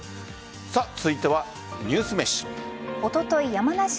続いてはニュースめし。